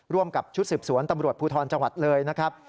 ร่วมกับชุดสืบสวนตำรวจภูทรจังหวัดเลยนะครับ